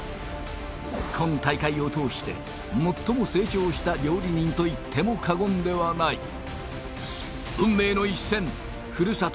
今大会を通して最も成長した料理人といっても過言ではない運命の一戦ふるさと